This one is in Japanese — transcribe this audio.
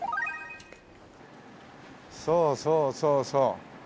そうそうそうそう。